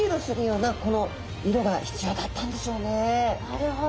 なるほど。